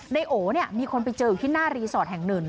โอเนี่ยมีคนไปเจออยู่ที่หน้ารีสอร์ทแห่งหนึ่ง